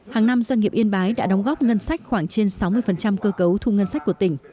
hàng năm doanh nghiệp yên bái đã đóng góp ngân sách khoảng trên sáu mươi cơ cấu thu ngân sách của tỉnh